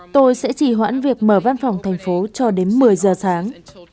tôi sẽ chỉ hoãn việc mở văn phòng thành phố cho đến một mươi giờ sáng